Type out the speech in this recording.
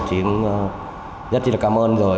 chính rất là cảm ơn rồi